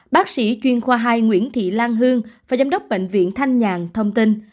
bác sĩ chuyên khoa hai nguyễn thị lan hương phó giám đốc bệnh viện thanh nhàn thông tin